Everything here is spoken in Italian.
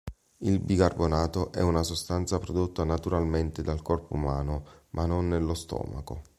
Il bicarbonato è una sostanza prodotta naturalmente dal corpo umano, ma non nello stomaco.